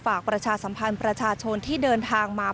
ประชาสัมพันธ์ประชาชนที่เดินทางมา